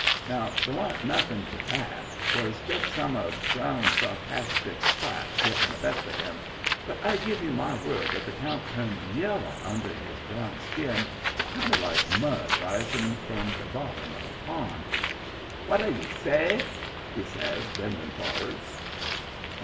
Now there wan't nothing to that 'twas just some of Brown's sarcastic spite getting the best of him but I give you my word that the count turned yellow under his brown skin, kind of like mud rising from the bottom of a pond. "What a you say?" he says, bending for'ards.